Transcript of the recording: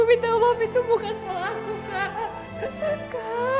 aku minta maaf itu bukan salah aku kak